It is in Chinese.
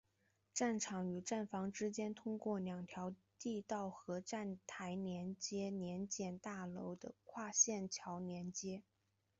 站场与站房之间通过两条地道和站台联接联检大楼的跨线桥连接。